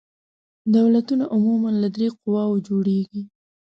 دولتونه عموماً له درې قواوو جوړیږي.